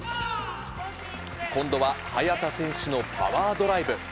今度は早田選手のパワードライブ。